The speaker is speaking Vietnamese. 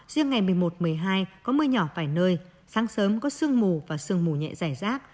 riêng ngày một mươi một một mươi hai có mưa nhỏ vài nơi sáng sớm có sương mù và sương mù nhẹ dài rác